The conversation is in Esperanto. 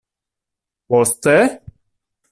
Poste?